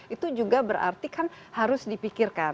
itu juga berarti kan harus dipikirkan